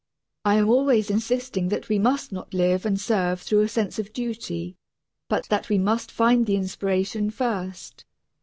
I am always insisting that we must not live and serve through a sense of duty, but that we must find the inspiration first.